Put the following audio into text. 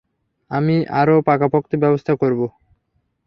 আমি আরো পাকাপোক্ত ব্যবস্থা করবো।